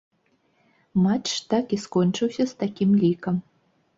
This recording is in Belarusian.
Матч так і скончыўся з такім лікам.